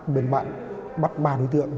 bên bạn bắt ba đối tượng